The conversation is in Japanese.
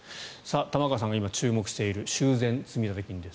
玉川さんが今、注目している修繕積立金です。